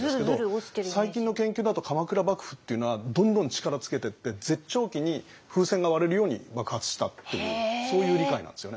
最近の研究だと鎌倉幕府っていうのはどんどん力つけてって絶頂期に風船が割れるように爆発したっていうそういう理解なんですよね。